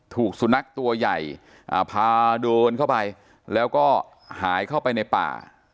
ถูกสุนัขตัวใหญ่พาเดินเข้าไปแล้วก็หายเข้าไปในป่า